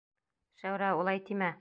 Шәүрә, улай тимә.